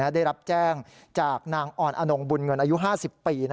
ได้รับแจ้งจากนางออนอนงบุญเงินอายุ๕๐ปี